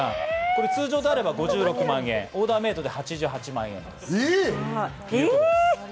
普通であれば５６万円、オーダーメードで８８万円です。